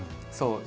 そう。